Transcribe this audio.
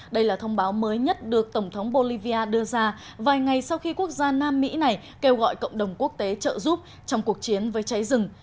đây là thông báo mới nhất được tổng thống bolivia đưa ra vài ngày sau khi quốc gia nam mỹ này kêu gọi cộng đồng quốc tế trợ giúp trong cuộc chiến với cháy rừng